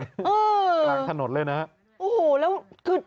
กลางถนนเลยนะคะ